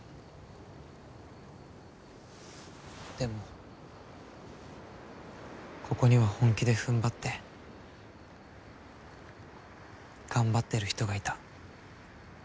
でもここには本気で踏ん張って頑張ってる人がいた。